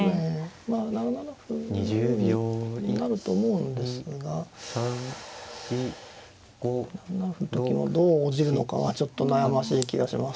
まあ７七歩になると思うんですが７七歩の時もどう応じるのかはちょっと悩ましい気がします。